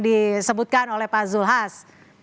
disebutkan oleh pak zulhas